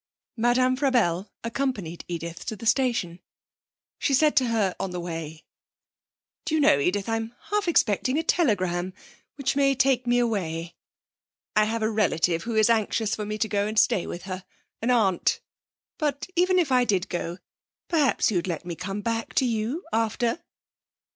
Madame Frabelle accompanied Edith to the station. She said to her on the way: 'Do you know, Edith, I'm half expecting a telegram which may take me away. I have a relative who is anxious for me to go and stay with her, an aunt. But even if I did go, perhaps you'd let me come back to you after?'